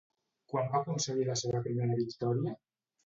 Quan va aconseguir la seva primera victòria?